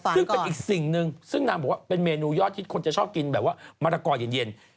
ซึ่งเป็นอีกสิ่งหนึ่งซึ่งนางบอกว่าเป็นเมนูยอดฮิตคนจะชอบกินแบบว่ามะละกอเย็น